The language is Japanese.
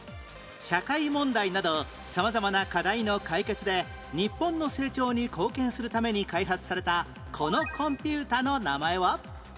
社会問題など様々な課題の解決で日本の成長に貢献するために開発されたこのコンピュータの名前は？